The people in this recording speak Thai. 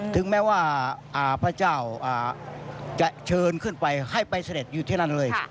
ถึงแม้ว่าพระเจ้าจะเชิญขึ้นไปให้ไปเสด็จอยู่ที่นั่นเลย